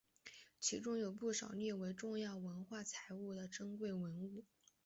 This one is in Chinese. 其中有不少是列为重要文化财产的珍贵文物。